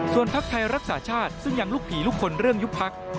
ภักดิ์ไทยรักษาชาติซึ่งยังลูกผีลูกคนเรื่องยุบพัก